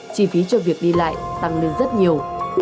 chi phí cho việc đi lại tăng lên rất nhiều